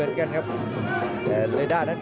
ส่วนหน้านั้นอยู่ที่เลด้านะครับ